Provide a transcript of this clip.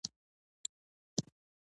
يو يې محمد صديق پسرلی و.